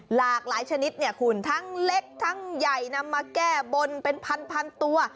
หลากหลายชนิดเนี่ยคุณทั้งเล็กทั้งใหญ่นำมาแก้บนเป็นพันตัว